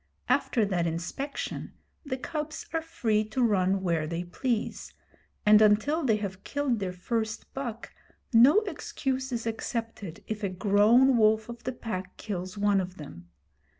After that inspection the cubs are free to run where they please, and until they have killed their first buck no excuse is accepted if a grown wolf of the Pack kills one of them.